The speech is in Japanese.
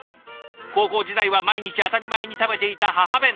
高校時代は毎日当たり前に食べていた母弁。